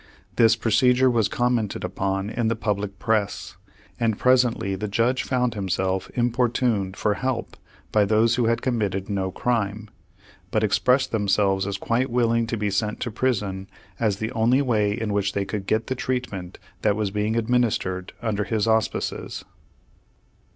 This procedure was commented upon in the public press, and presently the judge found himself importuned for help by those who had committed no crime, but expressed themselves as quite willing to be sent to prison as the only way in which they could get the treatment that was being administered under his auspices.